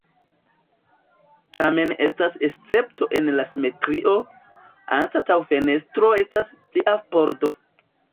Tamen estas escepto en la simetrio, anstataŭ fenestro estas plia pordo.